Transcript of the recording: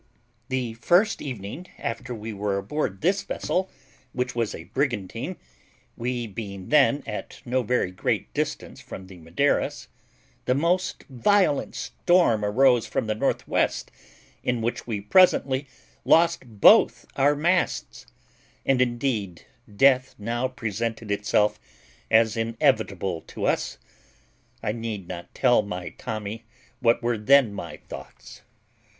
The first evening after we were aboard this vessel, which was a brigantine, we being then at no very great distance from the Madeiras, the most violent storm arose from the northwest, in which we presently lost both our masts; and indeed death now presented itself as inevitable to us: I need not tell my Tommy what were then my thoughts.